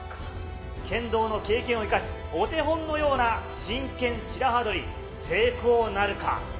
剣道の経験を生かし、お手本のような真剣白刃取り、成功なるか。